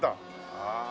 ああ。